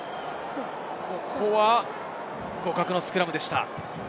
ここは互角のスクラムでした。